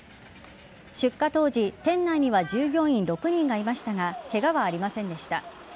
出火当時、店内には従業員６人がいましたがけがはありませんでした。